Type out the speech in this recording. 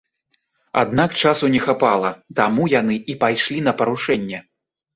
Аднак часу не хапала, таму яны і пайшлі на парушэнне.